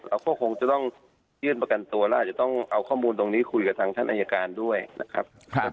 เราก็คงจะต้องยื่นประกันตัวแล้วอาจจะต้องเอาข้อมูลตรงนี้คุยกับทางท่านอายการด้วยนะครับ